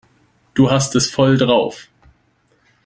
Du hast es voll drauf.